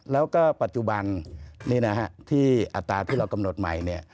แล้วก็ปัจจุบันที่อัตราที่เรากำหนดใหม่เนี่ย